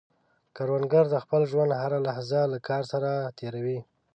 کروندګر د خپل ژوند هره لحظه له کار سره تېر وي